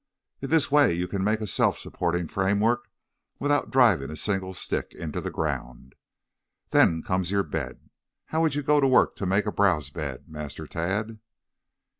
"In this way you can make a self supporting framework without driving a single stick into the ground. Then comes your bed. How would you go to work to make a browse bed, Master Tad?"